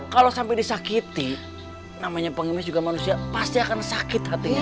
kalau sampai disakiti namanya pengemis juga manusia pasti akan sakit hatinya